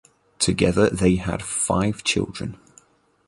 Together they have five children.